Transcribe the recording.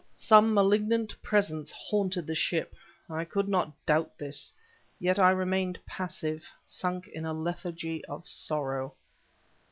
Some malignant presence haunted the ship; I could not doubt this; yet I remained passive, sunk in a lethargy of sorrow.